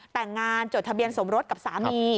แต่งงานจดทะเบียนสมรสกับสามี